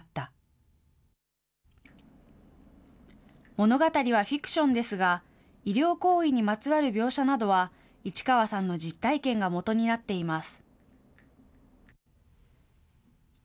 物語はフィクションですが、医療行為にまつわる描写などは市川さんの実体験がもとになっています。